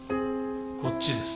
こっちです。